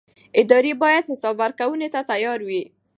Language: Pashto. ادارې باید حساب ورکونې ته تیار وي